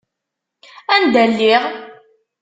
Anda lliɣ?